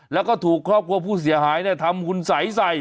แล้วก็ถูกครอบครัวผู้เสียหายเนี่ยทำหุ่นใสใส